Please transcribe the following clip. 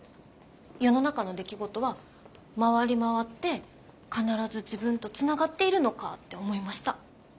世の中の出来事は回り回って必ず自分とつながっているのかって思いました。